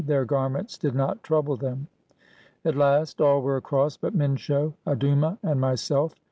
Their garments did not trouble them. At last all were across but Minsho, Adouma, and my self.